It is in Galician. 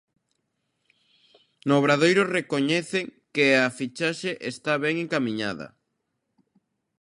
No Obradoiro recoñecen que a fichaxe está ben encamiñada.